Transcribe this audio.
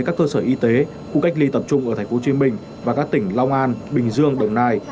các cơ sở y tế khu cách ly tập trung ở thành phố hồ chí minh và các tỉnh long an bình dương đồng nai